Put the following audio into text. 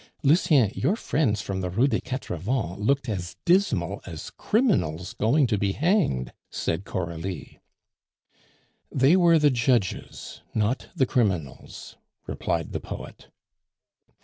"Lucien, your friends from the Rue des Quatre Vents looked as dismal as criminals going to be hanged," said Coralie. "They were the judges, not the criminals," replied the poet.